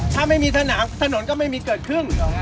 ถ้าไม่มีสนามถนนก็ไม่มีเกิดขึ้น